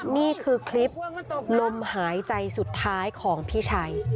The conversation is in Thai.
นี่คือคลิปลมหายใจสุดท้ายของพี่ชัย